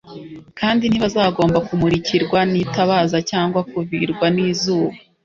kandi ntibazagomba kumurikirwa n’itabaza cyangwa kuvirwa n’izuba,